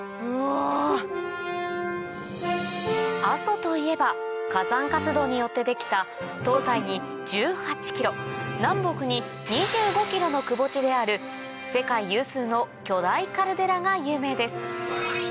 阿蘇といえば火山活動によって出来た東西に１８ｋｍ南北に２５ｋｍのくぼ地である世界有数の巨大カルデラが有名です